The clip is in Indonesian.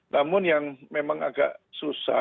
namun yang memang agak susah